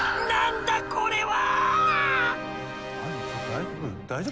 何だこれ？